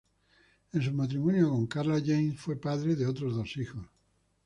En su matrimonio con Karla James fue padre de otros dos hijos.